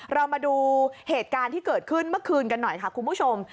เรามาดูเหตุการณ์ที่เกิดขึ้นเมื่อคืนกันหน่อยค่ะคุณผู้ชม